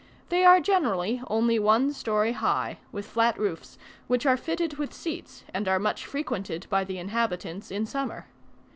They are generally only one story high, with flat roofs, which are fitted with seats and are much frequented by the inhabitants in summer.